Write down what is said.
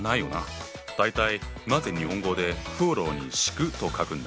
大体なぜ日本語で「風呂に敷く」と書くんだ？